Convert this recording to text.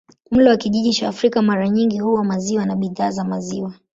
Mlo wa kijiji cha Afrika mara nyingi huwa maziwa na bidhaa za maziwa.